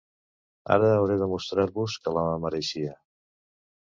Ara hauré de demostrar-vos que la mereixia.